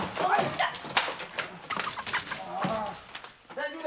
⁉大丈夫！